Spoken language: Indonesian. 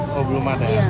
oh belum ada